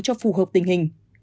cho phù hợp tình hình